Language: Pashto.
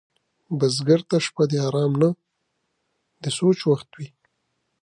بزګر ته شپه د آرام نه، د سوچ وخت وي